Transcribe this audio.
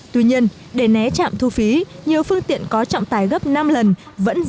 tuy nhiên để né trạm thu phí nhiều phương tiện có trọng tài gấp năm lần